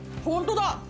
本当だ！